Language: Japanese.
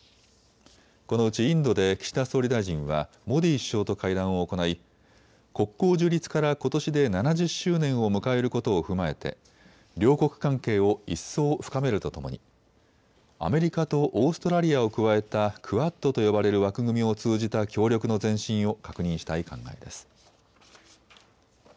このうちインドで岸田総理大臣はモディ首相と会談を行い、国交樹立からことしで７０周年を迎えることを踏まえて両国関係を一層深めるとともにアメリカとオーストラリアを加えたクアッドと呼ばれる枠組みを通じた協力の前進を確認したい考えです。